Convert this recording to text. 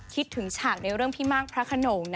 คิดถึงฉากในเรื่องพี่มากพระขนง